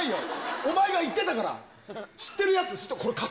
お前が言ってたから、知ってるやつ、ちょっとこれ、貸せ。